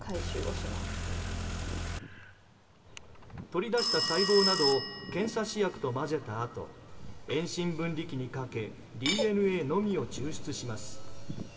取り出した細胞などを検査試薬と混ぜたあと遠心分離器にかけＤＮＡのみを抽出します。